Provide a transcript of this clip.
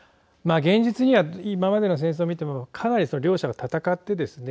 現実には今までの戦争を見てもかなり両者が戦ってですね